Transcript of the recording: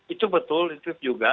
itu betul itu juga